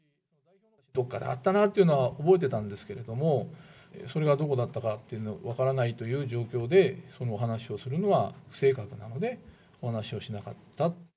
どっかで会ったなというのは覚えてたんですけれども、それがどこだったかっていうのが分からないという状況で、そのお話をするのは不正確なので、お話しをしなかった。